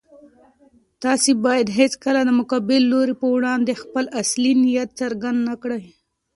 تاسو بايد هيڅکله د مقابل لوري په وړاندې خپل اصلي نيت څرګند نه کړئ.